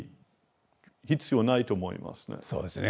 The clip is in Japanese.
そうですね